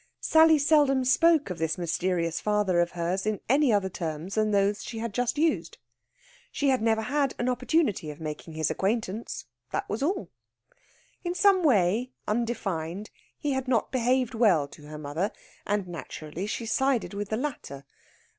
Sally seldom spoke of this mysterious father of hers in any other terms than those she had just used. She had never had an opportunity of making his acquaintance that was all. In some way, undefined, he had not behaved well to her mother; and naturally she sided with the latter.